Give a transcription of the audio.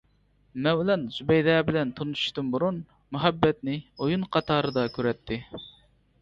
مەۋلان زۇبەيدە بىلەن تونۇشۇشتىن بۇرۇن، مۇھەببەتنى ئويۇن قاتارىدا كۆرەتتى.